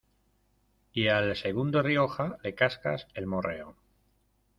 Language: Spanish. y al segundo Rioja, le cascas el morreo.